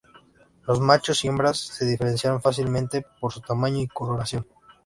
Los machos y hembras se diferencian fácilmente por su tamaño y coloración.